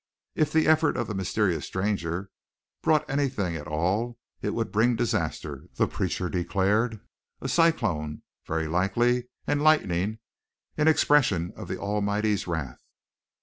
If the effort of the mysterious stranger brought anything at all, it would bring disaster, the preacher declared. A cyclone, very likely, and lightning, in expression of the Almighty's wrath.